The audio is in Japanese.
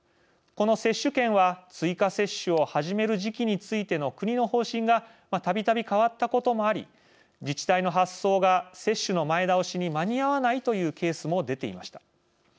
この接種券は追加接種を始める時期についての国の方針がたびたび変わったこともあり自治体の発送が接種の前倒しに間に合わないというケースも出ていました。